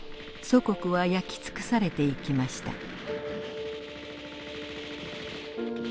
祖国は焼き尽くされていきました。